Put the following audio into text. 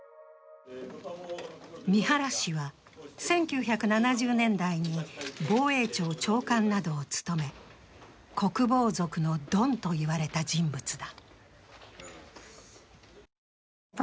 三原氏は１９７０年代に防衛庁長官などを務め、国防族のドンと言われた人物だ。